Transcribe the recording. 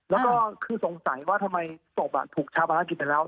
แล้วก็คือสงสัยว่าทำไมศพถูกชาวภารกิจไปแล้ว